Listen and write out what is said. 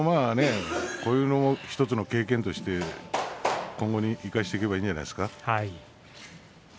これも１つの経験として今後に生かしていけばいいんじゃないですか。